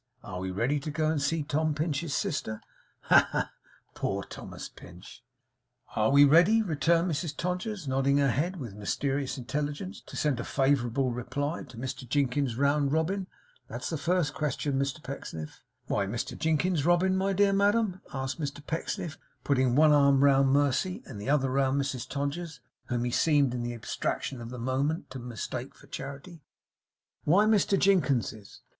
Are we ready to go and see Tom Pinch's sister? Ha, ha, ha! Poor Thomas Pinch!' 'Are we ready,' returned Mrs Todgers, nodding her head with mysterious intelligence, 'to send a favourable reply to Mr Jinkins's round robin? That's the first question, Mr Pecksniff.' 'Why Mr Jinkins's robin, my dear madam?' asked Mr Pecksniff, putting one arm round Mercy, and the other round Mrs Todgers, whom he seemed, in the abstraction of the moment, to mistake for Charity. 'Why Mr Jinkins's?